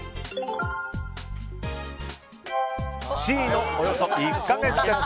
Ｃの、およそ１か月です。